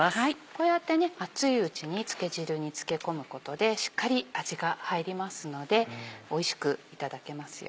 こうやって熱いうちに漬け汁に漬け込むことでしっかり味が入りますのでおいしくいただけますよ。